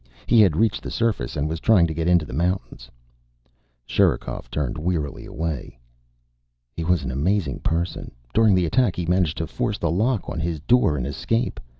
"He had reached the surface and was trying to get into the mountains." Sherikov turned wearily away. "He was an amazing person. During the attack he managed to force the lock on his door and escape.